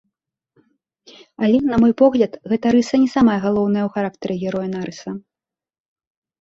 Але, на мой погляд, гэта рыса не самая галоўная ў характары героя нарыса.